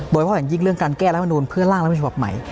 โดยเฉพาะอย่างยิ่งเรื่องการแก้รัฐธรรมนุนเพื่อล่างรัฐธรรมนุนเป็นฉบับใหม่